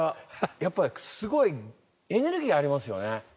やっぱりすごいエネルギーありますよね。